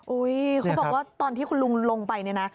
เขาบอกว่าตอนที่คุณลุงลงไปเนี่ยนะ